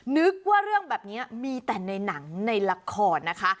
นึกว่าเรื่องแบบนี้มีแต่ในหนังในละครนะคะ